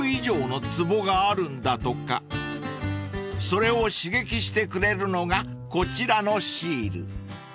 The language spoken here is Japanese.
［それを刺激してくれるのがこちらのシール］